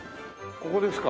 ここですか。